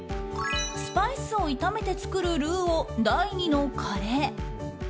スパイスを炒めて作るカレーを第２のカレー。